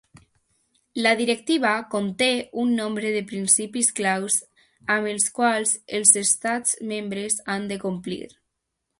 La directiva conté un nombre de principis clau amb els quals els estats membres han de complir.